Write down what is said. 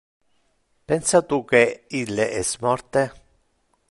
Pensa tu que ille es morte?